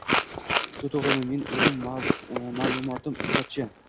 shu to‘g‘rimi, men o‘zim ma’lumotim iqtisodchi